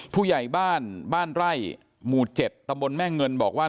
ผู้ใหญ่บ้านบ้านไร่หมู่๗ตำบลแม่เงินบอกว่า